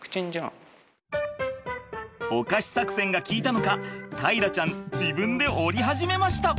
お菓子作戦が効いたのか大樂ちゃん自分で降り始めました。